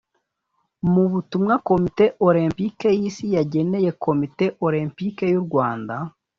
Mu butumwa Komite Olempike y’isi yageneye komite Olempike y’u Rwanda